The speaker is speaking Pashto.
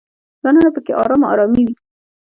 دننه په کې ارامه ارامي وي.